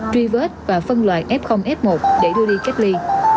truy vết và phân loại f f một để đưa đi cách ly